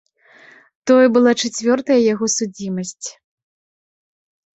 Тое была чацвёртая яго судзімасць.